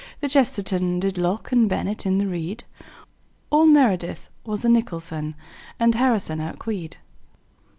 The kchesterton Did locke and bennett in the reed. All meredith was the nicholson, And harrison outqueed.